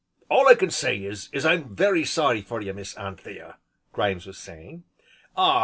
"All I can say is as I'm very sorry for ye, Miss Anthea," Grimes was saying. "Ah!